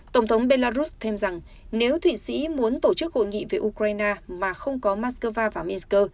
tổng thống belarus thêm rằng nếu thụy sĩ muốn tổ chức hội nghị với ukraine mà không có moscow và minsk